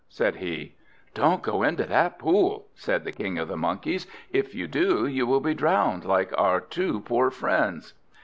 said he. "Don't go into that pool!" said the King of the Monkeys. "If you do, you will be drowned, like our two poor friends!"